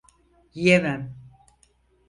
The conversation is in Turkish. Yiyemem.